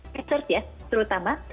kecur ya terutama